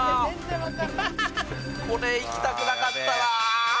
これいきたくなかったな！